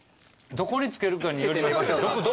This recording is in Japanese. どこにつけるかによりますけど。